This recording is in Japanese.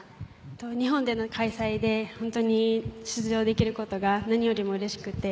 日本での開催で出場できることが何よりもうれしくて。